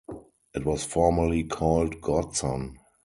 It was formerly called Godson.